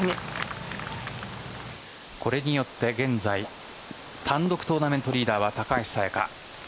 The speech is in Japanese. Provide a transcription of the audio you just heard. これによって現在単独トーナメントリーダーは高橋彩華。